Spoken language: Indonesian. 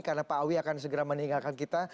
karena pak awi akan segera meninggalkan kita